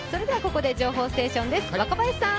情報ステーションです。